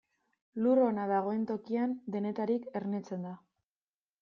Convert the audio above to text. Lur ona dagoen tokian, denetarik ernetzen da.